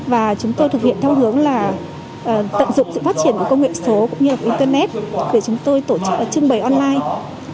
và chúng tôi thực hiện theo hướng là tận dụng sự phát triển của công nghệ số cũng như là của internet để chúng tôi trưng bày online